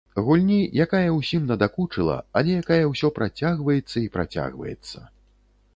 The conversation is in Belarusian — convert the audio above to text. Гульні, якая ўсім надакучыла, але якая ўсё працягваецца і працягваецца.